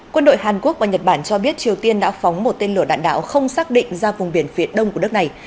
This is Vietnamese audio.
quân đội hàn quốc và nhật bản cho biết triều tiên đã phóng một tên lửa đạn đạo không xác định ra vùng biển phía đông của nước này